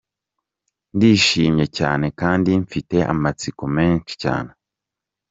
Ndishimye cyane kandi mfite amatsiko menshi cyane.